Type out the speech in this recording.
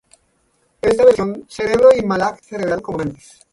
En esta versión, Cerebro y Mallah se revelaron como amantes.